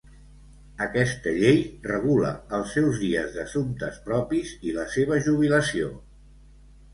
Aquesta llei regula els seus dies d'assumptes propis i la seva jubilació.